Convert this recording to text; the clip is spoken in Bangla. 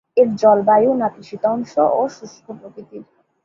এর জলবায়ু নাতিশীতোষ্ণ ও শুষ্ক প্রকৃতির।